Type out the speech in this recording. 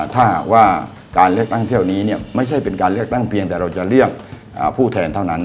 ถ้าหากว่าการเลือกตั้งเที่ยวนี้ไม่ใช่เป็นการเลือกตั้งเพียงแต่เราจะเรียกผู้แทนเท่านั้น